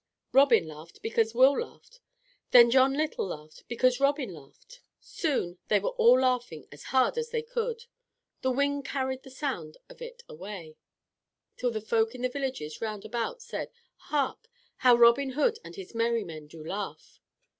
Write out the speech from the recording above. Robin laughed because Will laughed. Then John Little laughed because Robin laughed. Soon they were all laughing as hard as they could. The wind carried the sound of it away, till the folk in the villages round about said, "Hark! how Robin Hood and his Merry Men do laugh!"